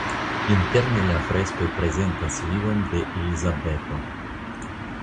Interne la freskoj prezentas vivon de Elizabeto.